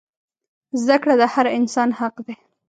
زده کړه د هر انسان حق دی.